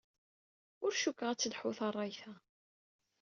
Ur cukkeɣ ad telḥu tarrayt-a.